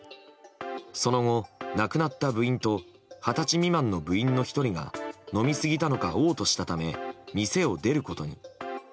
その後、亡くなった部員と二十歳未満の部員の１人が飲みすぎたのか、嘔吐したため店を出ることに。